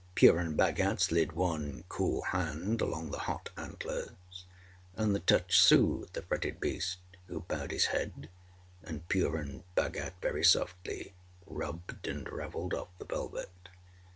Purun Bhagat slid one cool hand along the hot antlers, and the touch soothed the fretted beast, who bowed his head, and Purun Bhagat very softly rubbed and ravelled off the velvet.